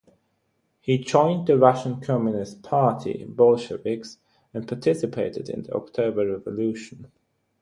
He joined the Russian Communist Party (bolsheviks) and participated in the October Revolution.